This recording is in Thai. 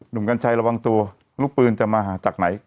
ดุ่มกันใจระวังตัวลูกปืนจะมาจากไหน